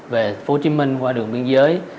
về phố hồ chí minh qua đường biên giới